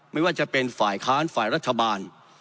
ไม่ว่าจะเป็นฝ่ายค้านฝ่ายรัฐบาล